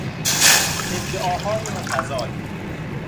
ادعاهای متضاد